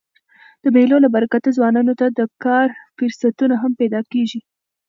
د مېلو له برکته ځوانانو ته د کار فرصتونه هم پیدا کېږي.